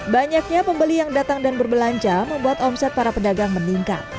banyaknya pembeli yang datang dan berbelanja membuat omset para pedagang meningkat